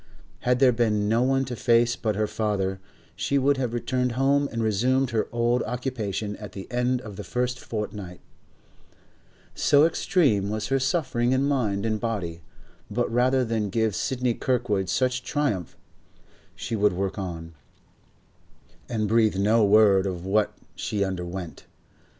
Had there been no one to face but her father, she would have returned home and resumed her old occupation at the end of the first fortnight, so extreme was her suffering in mind and body; but rather than give Sidney Kirkwood such a triumph, she would work on, and breathe no word of what she underwent.